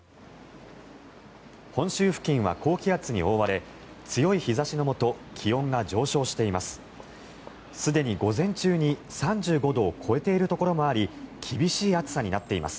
本州付近は高気圧に覆われ強い日差しのもと気温が上昇しています。